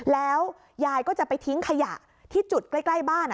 แล้วยายก็จะไปทิ้งขยะที่จุดใกล้บ้าน